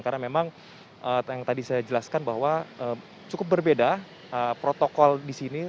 karena memang yang tadi saya jelaskan bahwa cukup berbeda protokol di sini